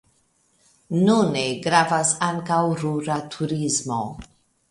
Nune gravas ankaŭ rura turismo.